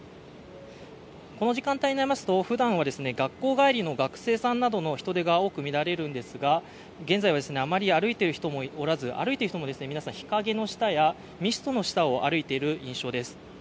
この時間帯になりますと、ふだんは学校帰りの学生さんなどの人出が多く見られるんですが現在はあまり歩いている人もおらず、歩いている人も皆さん、日陰の下やミストの下を歩いている印象です。